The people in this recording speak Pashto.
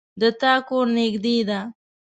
د تا کور نږدې ده